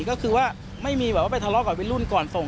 ก็คือว่าไม่มีแบบว่าไปทะเลาะกับวัยรุ่นก่อนส่ง